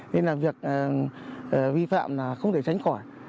vì vậy việc vi phạm không thể tránh khỏi